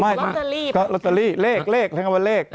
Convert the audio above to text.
ไม่ลอตเตอรี่เลขเรียกว่าเลข